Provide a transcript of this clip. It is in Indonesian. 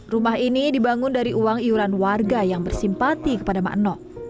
rumah ini dibangun dari uang iuran warga yang bersimpati kepada ⁇ maeno